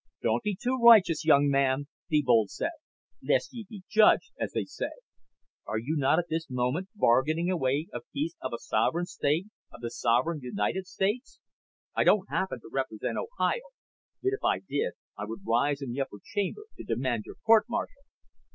"Don't be too righteous, young man," Thebold said. "'Lest ye be judged,' as they say. Are you not at this moment bargaining away a piece of a sovereign State of the sovereign United States? I don't happen to represent Ohio, but if I did I would rise in the upper chamber to demand your court martial."